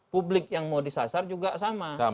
publik yang mau disasar juga sama